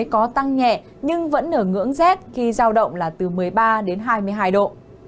có tăng nhẹ nhưng vẫn ở ngưỡng rét khi giao động là từ một mươi ba đến hai mươi hai độ